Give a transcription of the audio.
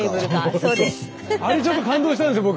あれちょっと感動したんですよ